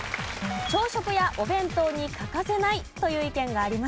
「朝食やお弁当に欠かせない」という意見がありました。